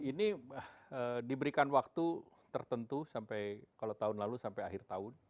ini diberikan waktu tertentu sampai kalau tahun lalu sampai akhir tahun